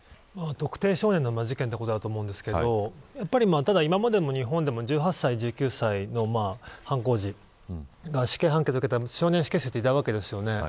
特定少年の事件ということですがただ、今までの日本でも１８歳、１９歳の犯行時死刑判決を受けた少年死刑囚っていたわけですよね。